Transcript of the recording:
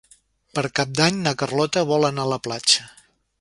Per Cap d'Any na Carlota vol anar a la platja.